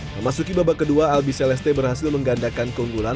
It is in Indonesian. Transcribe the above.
memasuki babak kedua albi celeste berhasil menggandakan keunggulan